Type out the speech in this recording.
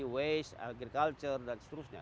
waste agriculture dan seterusnya